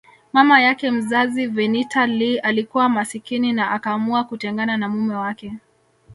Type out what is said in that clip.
Mama yake mzazi Vernita Lee alikuwa masikini na akaamua kutengana na mume wake